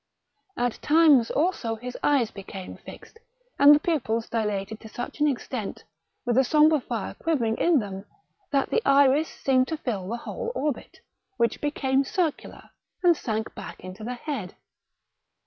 At times also his eyes became fixed, and the pupils dilated to such an extent, with a sombre fire quivering in them, that the iris seemed to fill the whole orbit, which became circular, and sank back into the head.